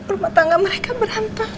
rumah tangga mereka berantakan